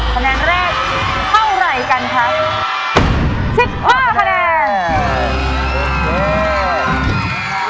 คะแนนแรกเท่าไหร่กันครับสิบห้าคะแนน